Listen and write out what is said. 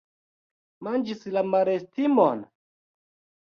Manĝis la malestimon?